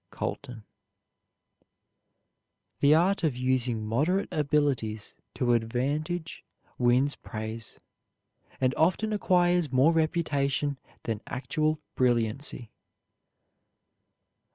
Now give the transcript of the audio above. COLTON. The art of using moderate abilities to advantage wins praise, and often acquires more reputation than actual brilliancy.